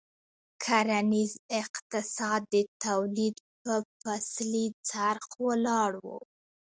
کرنیز اقتصاد د تولید په فصلي څرخ ولاړ و.